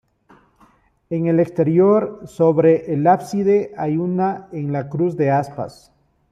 En el exterior, sobre el ábside, hay una en la cruz de aspas.